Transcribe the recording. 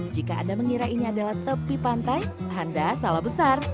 jika anda mengira ini adalah tepi pantai anda salah besar